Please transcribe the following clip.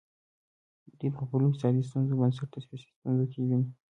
دوی د خپلو اقتصادي ستونزو بنسټ د سیاسي ستونزو کې ویني.